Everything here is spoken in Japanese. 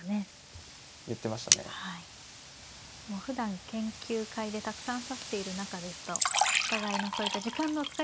もうふだん研究会でたくさん指している仲ですとお互いのそういった時間の使い方までも。